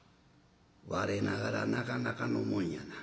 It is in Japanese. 我ながらなかなかのもんやな。